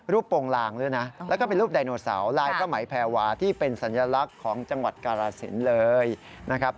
โปรงลางด้วยนะแล้วก็เป็นรูปไดโนเสาร์ลายพระไหมแพรวาที่เป็นสัญลักษณ์ของจังหวัดกาลสินเลยนะครับ